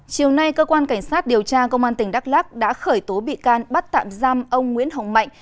chiều nay cơ quan cảnh sát điều tra công an tỉnh đắk lắc đã khởi tố bị can bắt tạm giam ông nguyễn hồng mạnh